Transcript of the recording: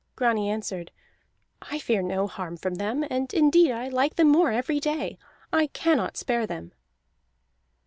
Grani answered: "I fear no harm from them, and indeed I like them more every day. I cannot spare them."